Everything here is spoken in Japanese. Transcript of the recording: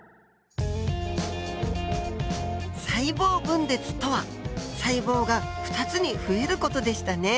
細胞分裂とは細胞が２つに増える事でしたね。